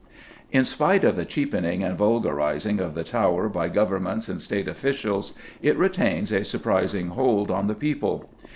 In spite of the cheapening and vulgarising of the Tower by Governments and State officials, it retains a surprising hold on the people.